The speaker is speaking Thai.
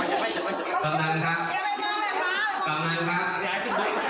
ก็เลยหน่อย